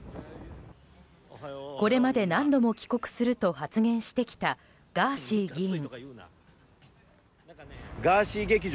これまで何度も帰国すると発言してきたガーシー議員。